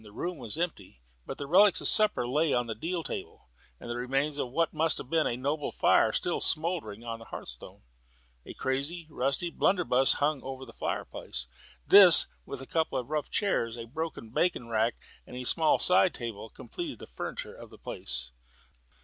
The room was empty, but the relics of supper lay on the deal table, and the remains of what must have been a noble fire were still smouldering on the hearthstone. A crazy, rusty blunderbuss hung over the fireplace. This, with a couple of rough chairs, a broken bacon rack, and a small side table, completed the furniture of the place.